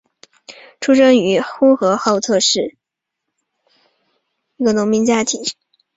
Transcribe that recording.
出生于呼和浩特市托克托县什拉毫村一个贫苦的秦姓农民家庭。